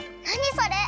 それ！